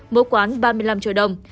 mỗi quán ba mươi năm triệu đồng